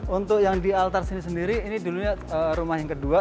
untuk yang di altar sini sendiri ini dulunya rumah yang kedua